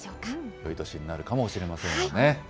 よい年になるかもしれませんね。